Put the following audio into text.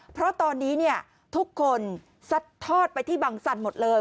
เพราะตอนนี้ทุกคนซัดทอดไปที่บังสันหมดเลย